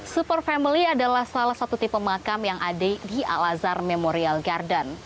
super family adalah salah satu tipe makam yang ada di al azhar memorial garden